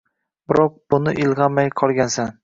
Biroq buni ilg’amay qo’ygansan.